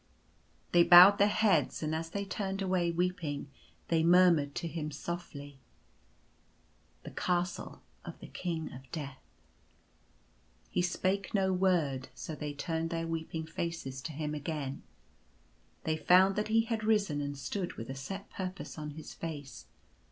" They bowed their heads; and as they turned away weeping they murmured to him softly —" The Castle of the King of Death." He spake no word; so they turned their weeping faces to him again. They found that he had risen and stood with a set purpose on his face.